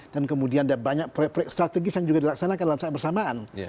dan kemudian ada banyak proyek proyek strategis yang juga dilaksanakan dalam saat bersamaan